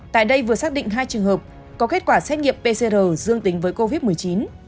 tại đây vừa xác định hai trường hợp có kết quả xét nghiệm pcr dương tính với covid một mươi chín